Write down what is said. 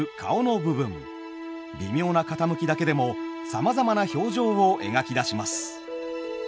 微妙な傾きだけでもさまざまな表情を描き出します。